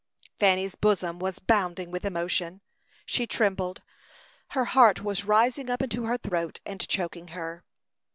Fanny's bosom was bounding with emotion. She trembled; her heart was rising up into her throat, and choking her.